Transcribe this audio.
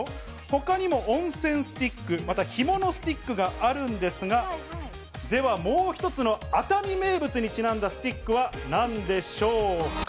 ほかにも温泉スティック、また干物スティックがあるんですが、ではもう一つの熱海名物にちなんだスティックはなんでしょうか。